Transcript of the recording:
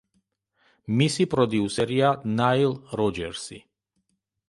მისი პროდიუსერია ნაილ როჯერსი.